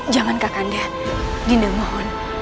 jangan kak kanda dinda mohon